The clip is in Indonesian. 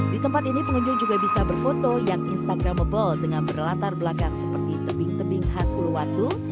di tempat ini pengunjung juga bisa berfoto yang instagramable dengan berlatar belakang seperti tebing tebing khas uluwatu